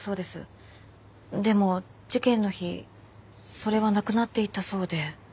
でも事件の日それはなくなっていたそうで。